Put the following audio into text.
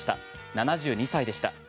７２歳でした。